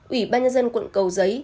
ủy ban nhân dân quận cầu giấy